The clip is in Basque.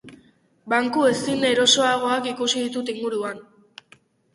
Banku ezin erosoagoak ikusi ditut inguruan...